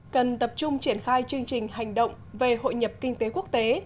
cần tập trung triển khai chương trình hành động về hội nhập kinh tế quốc tế